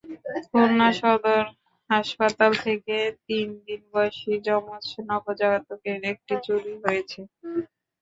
খুলনা সদর হাসপাতাল থেকে তিন দিন বয়সী যমজ নবজাতকের একটি চুরি হয়েছে।